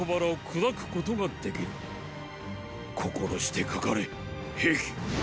心してかかれ壁。